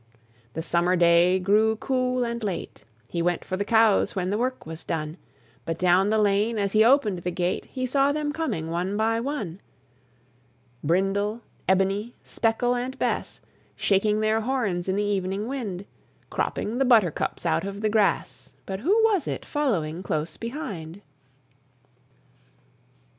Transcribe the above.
The summer day grew cool and late: He went for the cows when the work was done; But down the lane, as he opened the gate, He saw them coming one by one: Brindle, Ebony, Speckle, and Bess, Shaking their horns in the evening wind; Cropping the buttercups out of the grass, But who was it following close behind?